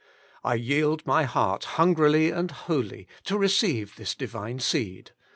I yield my heart hungrily and wholly to receive this Divine seed.